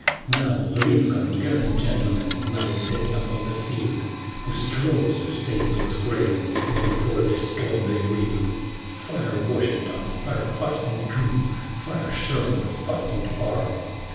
Now, LINCOLN, gallant gentleman, lies dead upon the field, Who strove to stay those cravens, when before the storm they reeled. Fire, WASHINGTON, fire fast and true! Fire, SHERMAN, fast and far!